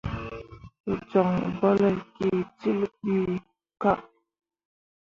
Wǝ jon bolle ki cil ɓii kah.